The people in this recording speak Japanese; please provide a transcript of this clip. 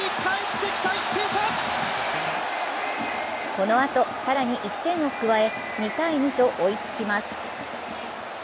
このあと更に１点を加え、２−２と追いつきます。